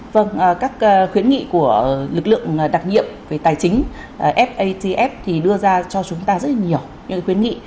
vâng các khuyến nghị của lực lượng đặc nhiệm về tài chính fatf thì đưa ra cho chúng ta rất là nhiều những khuyến nghị